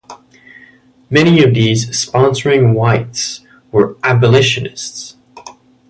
Many of these sponsoring whites were abolitionists.